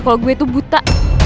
kalau gue tuh buta